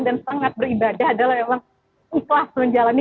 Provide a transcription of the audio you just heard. dan sangat beribadah adalah memang ikhlas menjalani